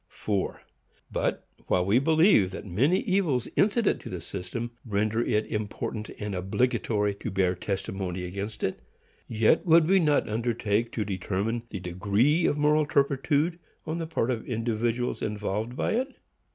4. But, while we believe that many evils incident to the system render it important and obligatory to bear testimony against it, yet would we not undertake to determine the degree of moral turpitude on the part of individuals involved by it.